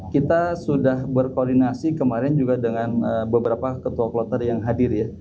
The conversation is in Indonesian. kita sudah berkoordinasi kemarin juga dengan beberapa ketua kloter yang hadir ya